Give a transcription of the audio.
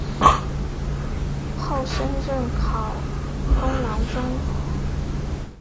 后升任考功郎中。